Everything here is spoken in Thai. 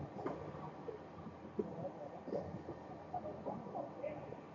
นั่นไว้ดิ